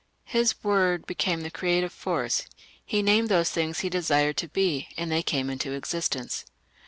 His word became the creative force; he named those things he desired to be, and they came into existence.